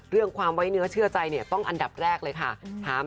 เรื่องความไว้เนื้อเชื่อใจเนี่ยต้องอันดับแรกเลยค่ะ